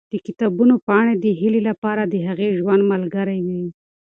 د کتابونو پاڼې د هیلې لپاره د هغې د ژوند ملګرې وې.